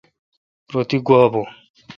رو تی گوا بھو۔